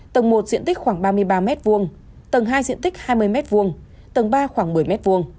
tầng một diện tích khoảng ba mươi ba m hai tầng hai diện tích hai mươi m hai tầng ba khoảng một mươi m hai